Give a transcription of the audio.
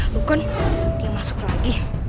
tuh kan dia masuk lagi